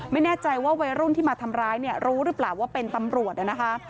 ไม่แน่ใจว่าวัยรุ่นที่มาทำร้ายเนี่ยรู้หรือเปล่าว่าเป็นตำรวจนะคะ